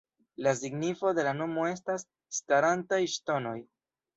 La signifo de la nomo estas ""starantaj ŝtonoj"".